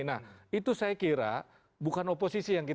nah itu saya kira bukan oposisi yang kita